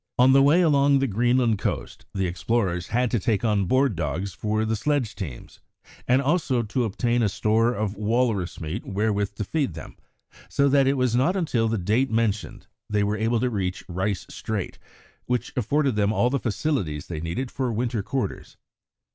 On the way along the Greenland coast the explorers had to take on board dogs for the sledge teams, and also to obtain a store of walrus meat wherewith to feed them, so that it was not until the date mentioned they were able to reach Rice Strait, which afforded them all the facilities they needed for winter quarters.